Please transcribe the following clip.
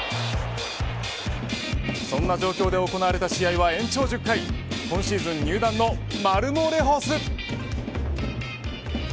そんな状況で行われた試合は延長１０回今シーズン入団のマルモレホス。